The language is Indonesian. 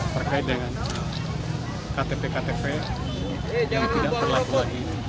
terkait dengan ktp ktp yang tidak berlaku lagi